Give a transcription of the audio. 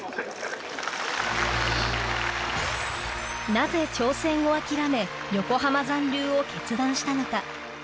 なぜ挑戦を諦め横浜残留を決断したのか？